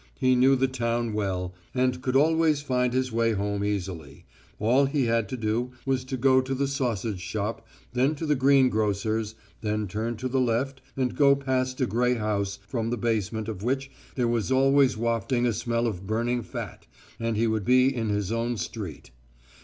He knew the town well and could always find his way home easily all he had to do was to go to the sausage shop, then to the greengrocer's, then turn to the left and go past a grey house from the basement of which there was always wafted a smell of burning fat, and he would be in his own street.